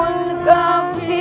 aduh mas ghi